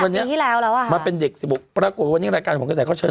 ตั้งแต่สิบที่แล้วแล้วอ่ะมาเป็นเด็กสิบหกปรากฏวันนี้รายการของผมก็ใส่ข้อเชิญ